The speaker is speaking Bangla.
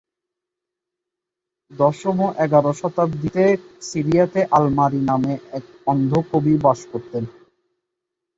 দশম এবং এগারো শতাব্দীতে সিরিয়াতে আল-মারি নামে এক অন্ধ কবি বাস করতেন।